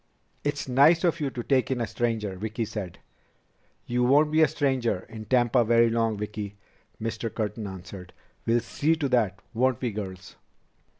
"It's nice of you to take in a stranger," Vicki said. "You won't be a stranger in Tampa very long, Vicki," Mr. Curtin answered. "We'll see to that, won't we, girls?"